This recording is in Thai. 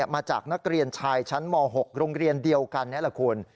มาจากนักเรียนชายชั้นม๖โรงเรียนเดียวกันนี่แหละคุณ